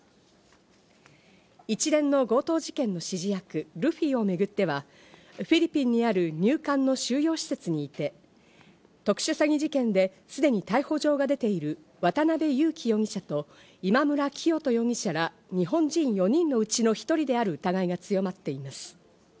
一連の強盗事件の指示役ルフィをめぐっては、フィリピンにある入管の収容施設にて特殊詐欺事件で、すでに逮捕状が出ている渡辺優樹容疑者と今村磨人容疑者ら、日本人４人のうちの１人である疑いが強まっています。